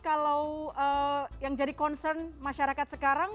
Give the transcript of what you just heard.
kalau yang jadi concern masyarakat sekarang